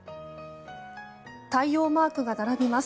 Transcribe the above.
太陽マークが並びます。